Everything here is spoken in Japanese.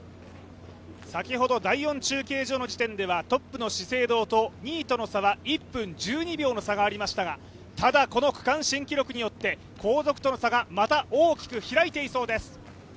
先ほど第４中継所の地点ではトップの資生堂と２位との差は１分１２秒の差がありましたがただ、この区間新記録によって後続との差がまた大きく開いていそうです。